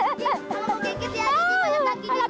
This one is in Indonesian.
enggak mau kekit